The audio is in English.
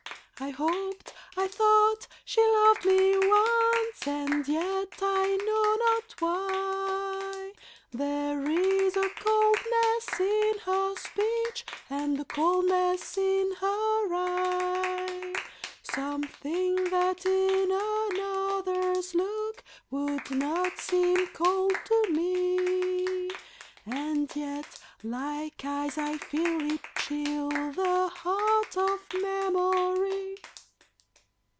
I hoped, I thought, she loved me once, and yet, I know not why, There is a coldness in her speech, and a coldness in her eye. Something that in another's look would not seem cold to me, And yet like ice I feel it chill the heart of memory.